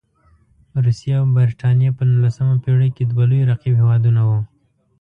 روسیې او برټانیې په نولسمه پېړۍ کې دوه لوی رقیب هېوادونه وو.